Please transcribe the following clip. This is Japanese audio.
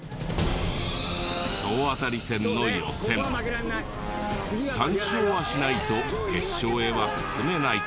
総当たり戦の予選３勝はしないと決勝へは進めない。